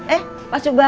eh pak subahanda